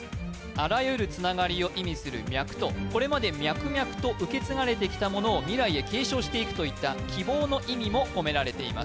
あらゆるつながりを意味する脈とこれまで脈々と受け継がれてきたものを未来へ継承していくといった希望の意味も込められています